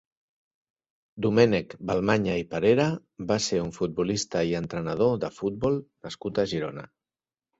Domènec Balmanya i Perera va ser un futbolista i entrenador de futbol nascut a Girona.